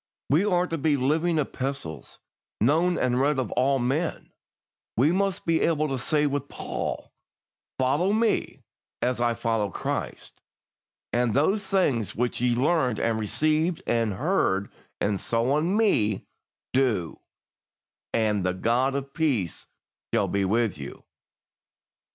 We are to be "living epistles, known and read of all men"; we must be able to say with Paul, "follow me as I follow Christ"; and "those things which ye learned and received and heard and saw in me, do; and the God of peace shall be with you."